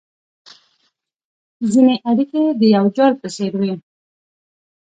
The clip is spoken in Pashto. ځیني اړیکي د یو جال په څېر وي